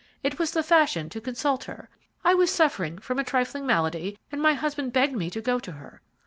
It was the fashion to consult her. I was suffering from a trifling malady, and my husband begged me to go to her.